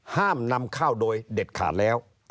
ห้ามนำเข้าโดยเด็ดขาดแล้ว